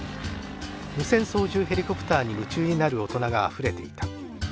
無線操縦ヘリコプターに夢中になる大人があふれていた。